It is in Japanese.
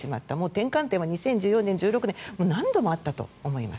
転換点は２０１４年１６年何度もあったと思います。